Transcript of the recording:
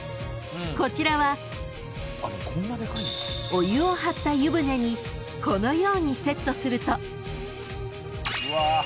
［お湯を張った湯船にこのようにセットすると］